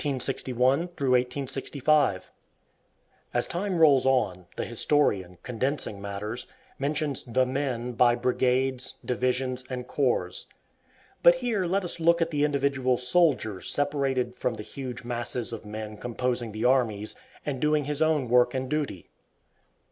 As time rolls on, the historian, condensing matters, mentions "the men" by brigades, divisions, and corps. But here let us look at the individual soldier separated from the huge masses of men composing the armies, and doing his own work and duty.